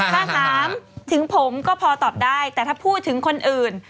ถ้าถามถึงผมก็พอตอบได้แต่ถ้าพูดถึงคนอื่น